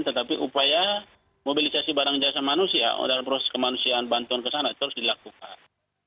tetapi upaya mobilisasi barang jasa manusia dalam proses kemanusiaan bantuan ke sana itu harus dilakukan